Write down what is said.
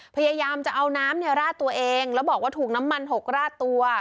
พยายามจะเอาน้ำเนี่ยราดตัวเองแล้วบอกว่าถูกน้ำมันหกราดตัว